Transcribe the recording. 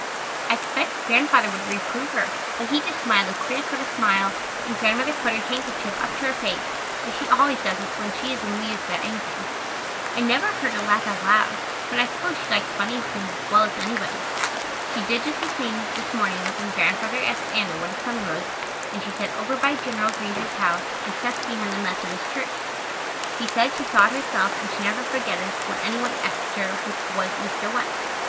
I expected Grandfather would reprove her, but he just smiled a queer sort of smile and Grandmother put her handkerchief up to her face, as she always does when she is amused about anything. I never heard her laugh out loud, but I suppose she likes funny things as well as anybody. She did just the same, this morning, when Grandfather asked Anna where the sun rose, and she said "over by Gen. Granger's house and sets behind the Methodist church." She said she saw it herself and should never forget it when any one asked her which was east or west.